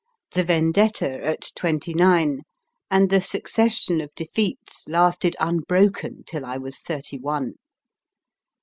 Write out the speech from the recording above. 298 MY FIRST BOOK twenty nine, and the succession of defeats lasted unbroken till I was thirty one.